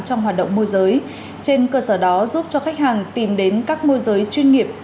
trong hoạt động môi giới trên cơ sở đó giúp cho khách hàng tìm đến các môi giới chuyên nghiệp